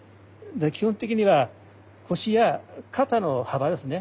基本的には腰や肩の幅ですね。